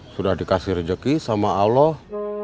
sudah dikasih rezeki sama allah